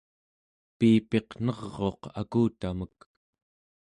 piipiq ner'uq akutamek